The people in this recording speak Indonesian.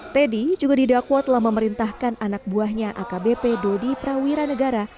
teddy juga didakwa telah memerintahkan anak buahnya akbp dodi prawira negara